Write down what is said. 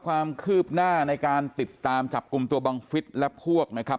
ความคืบหน้าในการติดตามจับกลุ่มตัวบังฟิศและพวกนะครับ